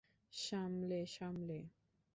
সামলে, সামলে।